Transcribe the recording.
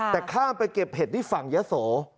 แต่ข้ามไปเก็บเห็ดที่ฝั่งยะโส